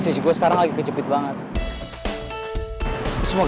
eh bukannya gitu neng